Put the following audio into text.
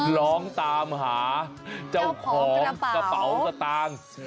ร้องตามหาเจ้าของกระเป๋าสตางค์